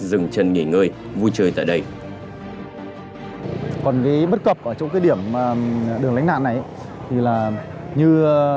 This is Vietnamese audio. dừng chân nghỉ ngơi vui chơi tại đây còn cái bất cập ở chỗ cái điểm đường lánh nạn này thì là như